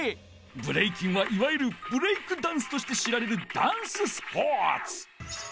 ブレイキンはいわゆるブレイクダンスとして知られるダンススポーツ！